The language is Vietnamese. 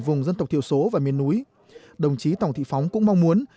vùng dân tộc thiểu số và miền núi đồng chí tổng thị phóng cũng mong muốn